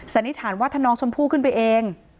นิษฐานว่าถ้าน้องชมพู่ขึ้นไปเอง